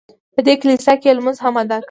په دې کلیسا کې یې لمونځ هم ادا کړ.